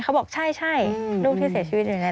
เขาบอกใช่ใช่รูปที่เสียชีวิตยังไง